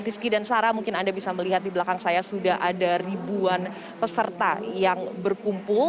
rizky dan sarah mungkin anda bisa melihat di belakang saya sudah ada ribuan peserta yang berkumpul